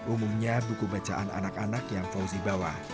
umumnya buku bacaan anak anak yang fauzi bawa